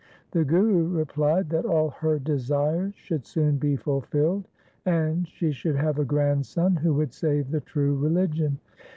The Guru replied that all her desires should soon be fulfilled, and she should have a grandson who would save the true religion.